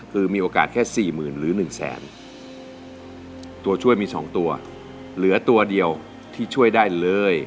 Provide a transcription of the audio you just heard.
คือมีโอกาสแค่สี่หมื่นหรือหนึ่งแสนตัวช่วยมี๒ตัวเหลือตัวเดียวที่ช่วยได้เลย